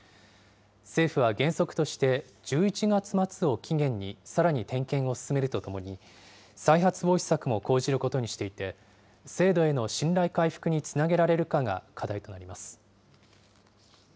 政府は原則として、１１月末を期限に、さらに点検を進めるとともに、再発防止策も講じることにしていて、制度への信頼回復につなげられるかが課題となります。